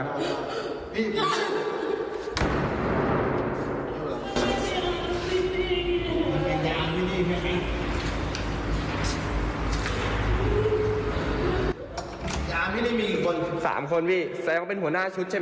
ยามพี่นี่มีคน๓คนวีแซมเขาเป็นหัวหน้าชุดใช่ไหม